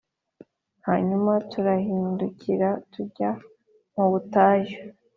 hanyuma turahindukira tujya mu butayu